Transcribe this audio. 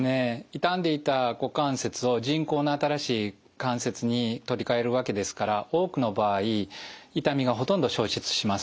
痛んでいた股関節を人工の新しい関節に取り替えるわけですから多くの場合痛みがほとんど消失します。